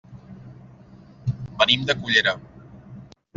Venim de Cullera.